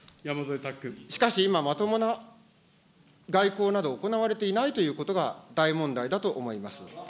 しかし今、まともな外交など、行われていないということが、大問題だと思います。